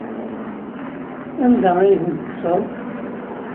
Anda ay tent-tekkseḍ?